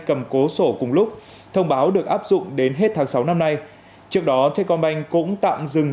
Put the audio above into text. cầm cố sổ cùng lúc thông báo được áp dụng đến hết tháng sáu năm nay trước đó techcombank cũng tạm dừng